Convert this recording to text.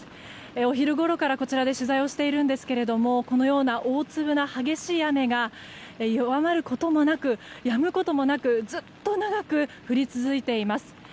お昼ごろからこちらで取材をしているんですがこのような大粒の激しい雨が弱まることがなくやむこともなくずっと長く降り続いています。